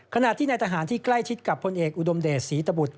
ขณะที่ในทหารที่ใกล้ชิดกับพลเอกอุดมเดชศรีตบุตร